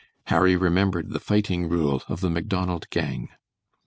Harry remembered the fighting rule of the Macdonald gang.